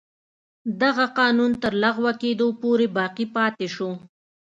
دغه قانون تر لغوه کېدو پورې باقي پاتې شو.